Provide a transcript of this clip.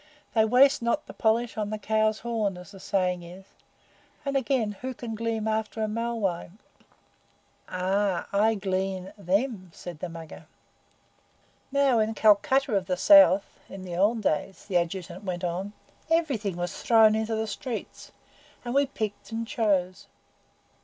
"They waste not the polish on the cow's horn, as the saying is; and, again, who can glean after a Malwai?" "Ah, I glean THEM," said the Mugger. "Now, in Calcutta of the South, in the old days," the Adjutant went on, "everything was thrown into the streets, and we picked and chose.